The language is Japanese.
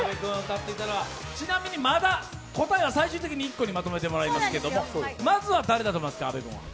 ちなみにまだ答えは最終的に１個にまとめてもらいますけれども、まずは誰だと思いますか？